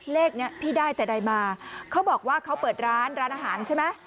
เลขนี้พี่ได้แต่ใดมาเขาบอกว่าเขาเปิดร้านร้านอาหารใช่ไหม